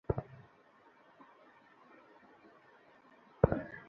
যেন এক মণি মাণিক্যের ভাণ্ডার।